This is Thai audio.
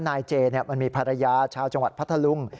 นายเจมันมีภรรยาชาวจังหวัดพัทธลุง